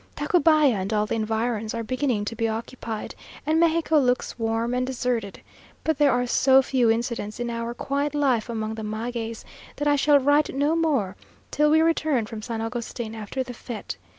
Tacubaya and all the environs are beginning to be occupied, and Mexico looks warm and deserted. But there are so few incidents in our quiet life among the magueys, that I shall write no more till we return from San Agustin after the fête.